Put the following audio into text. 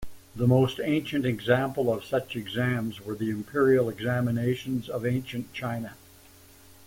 The most ancient example of such exams were the imperial examinations of ancient China.